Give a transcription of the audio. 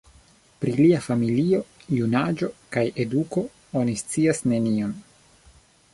Pri lia familio, junaĝo kaj eduko oni scias nenion.